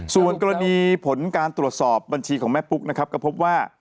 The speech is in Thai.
ส่วนกรณีผลการตรวจสอบบัญชีของแม่ปุ๊กนะครับก็พบว่า